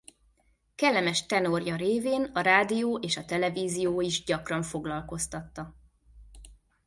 Kellemes tenorja révén a rádió és a televízió is gyakran foglalkoztatta.